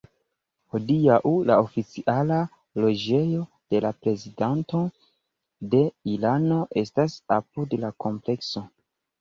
Hodiaŭ, la oficiala loĝejo de la Prezidanto de Irano estas apud la komplekso.